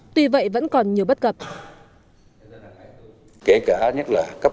tuy vậy vẫn còn nhiều bất cập